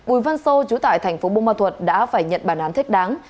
uy vân sô chú tại thành phố bông ma thuật đã phải nhận bàn án thích đáng